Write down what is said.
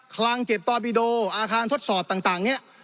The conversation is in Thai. คลังเก็บตอปิโดอาคารทดสอบต่างเนี่ย